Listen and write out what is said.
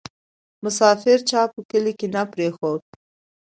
ـ مسافر چا په کلي کې نه پرېښود